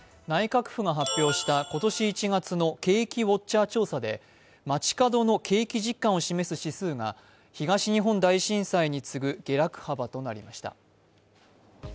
内閣府が発表した今年１月の景気ウォッチャー調査で街角の景気実感を示す指数が東日本大震災に次ぐ下落幅となりました。